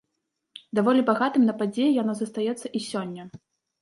Даволі багатым на падзеі яно застаецца і сёння.